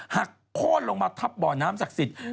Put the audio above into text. หักโค้นลงมาทับบ่อน้ำศักดิ์สิทธิ์